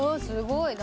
すごい。